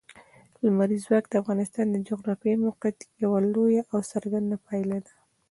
لمریز ځواک د افغانستان د جغرافیایي موقیعت یوه لویه او څرګنده پایله ده.